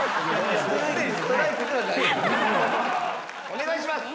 お願いします。